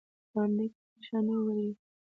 په همدې کې پرېشانۍ وړی یم.